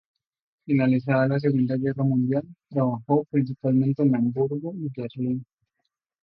Finalizada la Segunda Guerra Mundial trabajó principalmente en Hamburgo y Berlín.